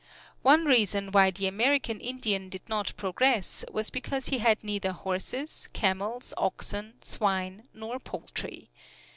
One reason why the American Indian did not progress was because he had neither horses, camels, oxen, swine nor poultry.